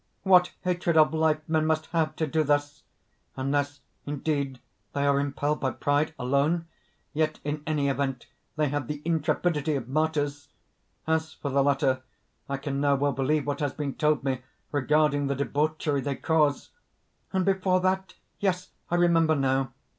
What hatred of life men must have to do thus! Unless, indeed, they are impelled by pride alone?... Yet in any event they have the intrepidity of martyrs.... As for the latter, I can now well believe what has been told me regarding the debauchery they cause. "And before that? Yes: I remember now!